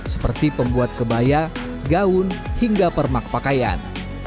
seperti pembuat kebaya gaun hingga permak pakaian